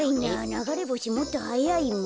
ながれぼしもっとはやいもん。